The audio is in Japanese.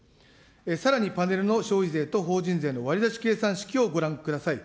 さらにパネルの消費税と法人税の割り出し計算式をご覧ください。